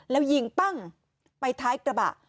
แล้วยิงปั้งไปท้ายกระบะ